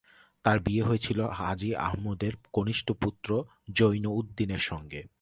তাঁর বিয়ে হয়েছিল হাজী আহমদের কনিষ্ঠ পুত্র জৈনউদ্দীনের সঙ্গে।